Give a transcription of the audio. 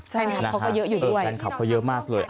แฟนคลับเขาก็เยอะอยู่ด้วยแฟนคลับเขาเยอะมากเลย